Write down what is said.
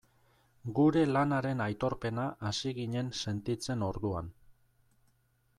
Gure lanaren aitorpena hasi ginen sentitzen orduan.